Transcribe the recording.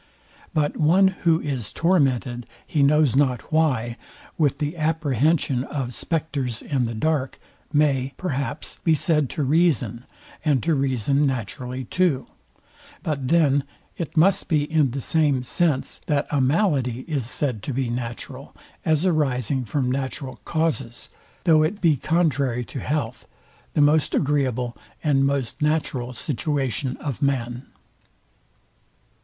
But one, who is tormented he knows not why, with the apprehension of spectres in the dark, may, perhaps, be said to reason, and to reason naturally too: But then it must be in the same sense, that a malady is said to be natural; as arising from natural causes, though it be contrary to health, the most agreeable and most natural situation of man.